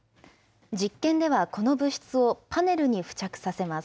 実験ではこの物質をパネルに付着させます。